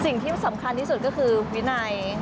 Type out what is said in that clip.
สิ่งที่สำคัญที่สุดก็คือวินัย